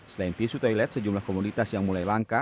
selain tisu toilet sejumlah komunitas yang mulai langka